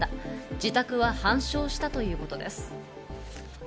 自宅は半焼したということです。